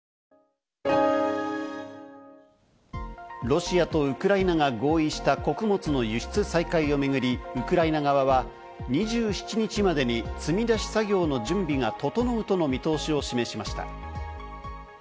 ロシアとウクライナが合意した穀物の輸出再開をめぐり、ウクライナ側は２７日までに積み出し作業の準備が整うとの見通しを示しました。